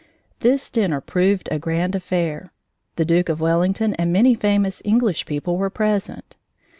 This dinner proved a grand affair. The Duke of Wellington and many famous English people were present.